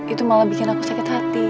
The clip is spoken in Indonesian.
itu malah bikin aku sakit hati